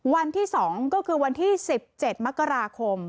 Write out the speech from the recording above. วันที่๒ก็คือวันที่๑๗มกราคม